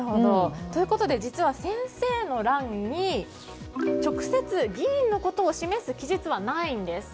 ということで実は先生の欄に直接、議員のことを示す記述はないんです。